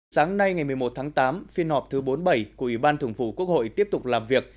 sáng nay ngày một mươi một tháng tám phiên họp thứ bốn mươi bảy của ủy ban thường phủ quốc hội tiếp tục làm việc